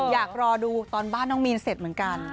อยากรอดูตอนบ้านน้องมีนเสร็จเหมือนกัน